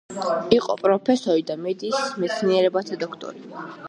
იყო პროფესორი და მედიცინის მეცნიერებათა დოქტორი.